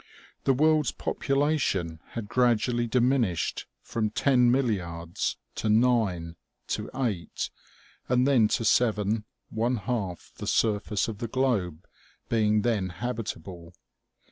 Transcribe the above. The world's population had gradually diminished from ten milliards to nine, to eight, and then to seven, one half the surface of the globe being then habitable.